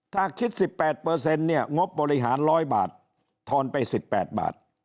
ถ้าคิด๑๘เนี่ยงบบริหาร๑๐๐บาททอนไป๑๘บาท